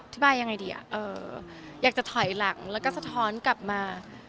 บายยังไงดีอ่ะอยากจะถอยหลังแล้วก็สะท้อนกลับมา